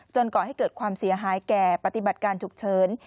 ก่อให้เกิดความเสียหายแก่ปฏิบัติการฉุกเฉิน